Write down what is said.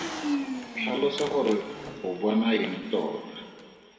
Tlhalosa gore o bona eng tota?